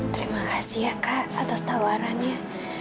terima kasih ya kak atas tawarannya